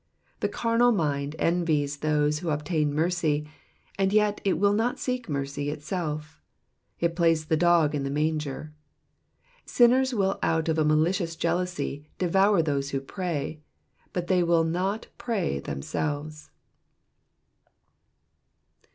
The carnal mind envies those who obtain mercy, and yet it will not seek mercy itself. It plays the dog in the manger. Sinners will out of a ,malicious jealousy devour those who pray, but yet they will not pray themselves.